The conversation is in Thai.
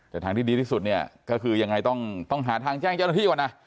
แต่ทางที่ดีที่สุดเนี่ยก็คือยังไงต้องหาทางแจ้งเจ้าหน้าที่ก่อนนะ